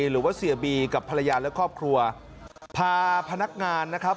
หรือว่าเสียบีกับภรรยาและครอบครัวพาพนักงานนะครับ